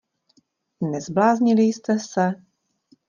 Nezbláznili jste se?